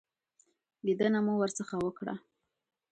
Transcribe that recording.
لیدنه مو ورڅخه وکړه.